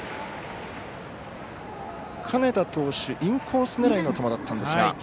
金田投手、インコース狙いの球だったんですが。